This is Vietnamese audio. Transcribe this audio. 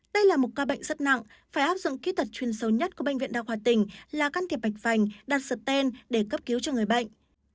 đây là một ca bệnh rất nặng phải áp dụng kỹ tật chuyên sâu nhất của bệnh viện đa khoa tỉnh là can thiệp mạch phành đặt sật tên để cấp cứu cho người bệnh